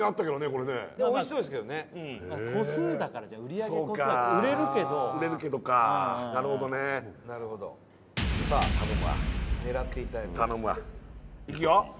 これねでもおいしそうですけどね個数だからじゃ売上個数は売れるけどそうか売れるけどかなるほどねなるほどさあ頼むわ狙っていただいて頼むわいくよ